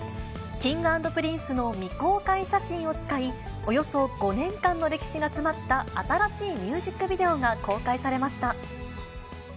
Ｋｉｎｇ＆Ｐｒｉｎｃｅの未公開写真を使い、およそ５年間の歴史が詰まった新しいミュージックビデオが公開されました。